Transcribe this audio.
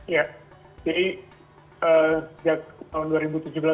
ya jadi sejak tahun dua ribu tujuh belas